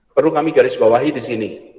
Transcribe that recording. perlu kami garis bawahi di sini